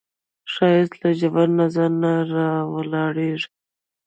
ښایست له ژور نظر نه راولاړیږي